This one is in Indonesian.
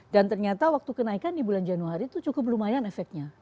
dan ternyata waktu kenaikan di bulan januari itu cukup lumayan efeknya